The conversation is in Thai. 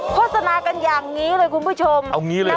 โฆษณากันอย่างนี้เลยคุณผู้ชมเอางี้เลยนะ